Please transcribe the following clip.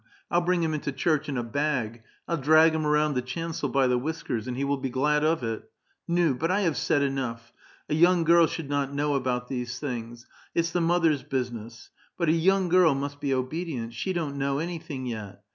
I'll bring him into church in a bag ; I'll drag him around the chancel by the whiskers, and he will be gliid of it. Nul but I have said enough. A young girl should not know about these things ; it's the mother's busi ness. But a young girl must be obedient ; she don't know anything yet.